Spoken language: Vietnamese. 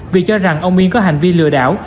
vì cho rằng ông miên có hành vi lừa đảo